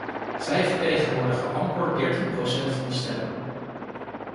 Zij vertegenwoordigen amper dertien procent van de stemmen.